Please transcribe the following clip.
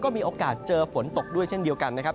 มีโอกาสเจอฝนตกด้วยเช่นเดียวกันนะครับ